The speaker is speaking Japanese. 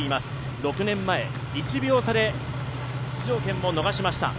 ６年前、１秒差で出場権を逃しました。